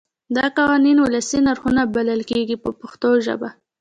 دا قوانین ولسي نرخونه بلل کېږي په پښتو ژبه.